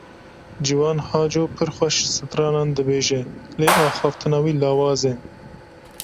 Ciwan Haco pir xweş stranan dibêje lê axaftina wî lawaz e.